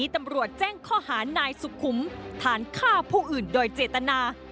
ทานฆ่าผู้อื่นโดยเจตนา